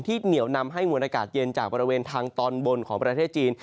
เหนียวนำให้มวลอากาศเย็นจากบริเวณทางตอนบนของประเทศจีน